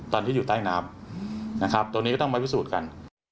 ตอนที่อยู่ใต้น้ำตรงนี้ก็ต้องไว้วิสูจน์กัน